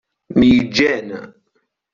Myeǧǧen.